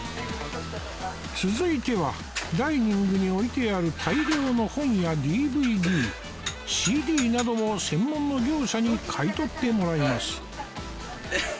続いてはダイニングに置いてある大量の本や ＤＶＤＣＤ などを専門の業者に買い取ってもらいます